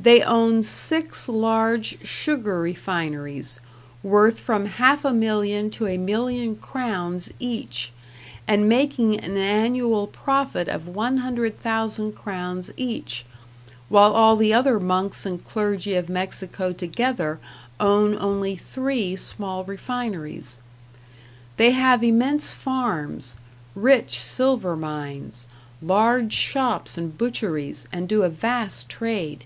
They own six large sugar refineries, worth from half a million to a million crowns each, and making an annual profit of 100,000 crowns each, while all the other monks and clergy of Mexico together own only three small refineries. They have immense farms, rich silver mines, large shops and butcheries, and do a vast trade.